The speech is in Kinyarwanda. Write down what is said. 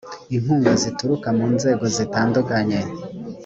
inkunga zituruka mu nzego zitandukanye